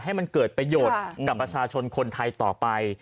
ให้มันเกิดประโยชน์กับประชาชนคนไทยต่อไป